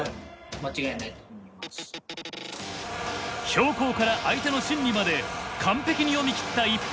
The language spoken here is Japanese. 標高から相手の心理まで完璧に読み切った一本。